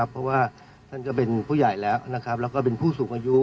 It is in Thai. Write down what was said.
เพราะว่าท่านจะเป็นผู้ใหญ่แล้วและพูสูงอายุ